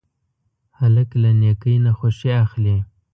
هلک له نیکۍ نه خوښي اخلي.